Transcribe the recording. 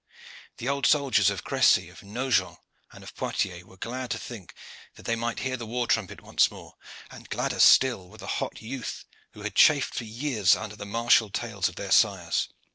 The old soldiers of Crecy, of Nogent, and of Poictiers were glad to think that they might hear the war trumpet once more, and gladder still were the hot youth who had chafed for years under the martial tales of their sires.